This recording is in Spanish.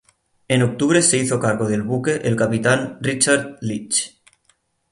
En octubre se hizo cargo del buque el capitán Richard Leech.